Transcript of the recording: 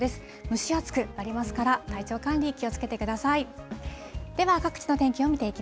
蒸し暑くなりますから、体調管理、気をつけてください。